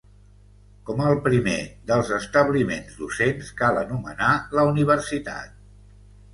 Com el primer dels establiments docents cal anomenar la Universitat.